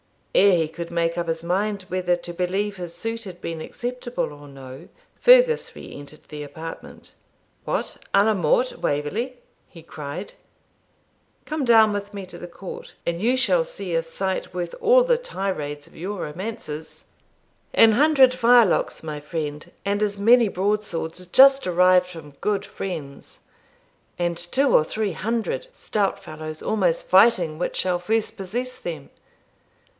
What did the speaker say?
Ere he could make up his mind whether to believe his suit had been acceptable or no, Fergus re entered the apartment. 'What, a la mort, Waverley?' he cried. 'Come down with me to the court, and you shall see a sight worth all the tirades of your romances. An hundred firelocks, my friend, and as many broadswords, just arrived from good friends; and two or three hundred stout fellows almost fighting which shall first possess them.